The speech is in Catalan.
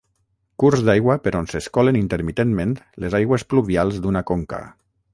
Curs d'aigua per on s'escolen intermitentment les aigües pluvials d'una conca.